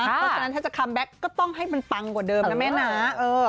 เพราะฉะนั้นถ้าจะคัมแบ็คก็ต้องให้มันปังกว่าเดิมนะแม่นะ